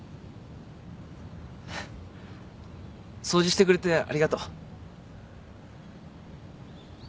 掃除してくれてありがとう。